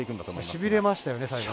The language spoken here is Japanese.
しびれましたよね、最後。